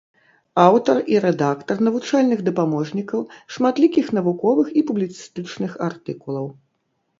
Аўтар і рэдактар навучальных дапаможнікаў, шматлікіх навуковых і публіцыстычных артыкулаў.